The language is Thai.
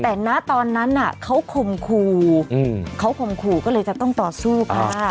แต่ณตอนนั้นเขาข่มขู่เขาข่มขู่ก็เลยจะต้องต่อสู้ค่ะ